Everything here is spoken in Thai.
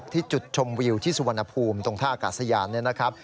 จุดชมวิวที่สุวรรณภูมิตรงท่าอากาศยานเนี่ยนะครับ